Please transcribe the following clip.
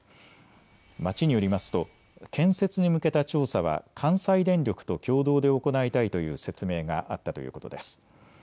町によりますと建設に向けた調査は関西電力と共同で行いたいという説明があったということです。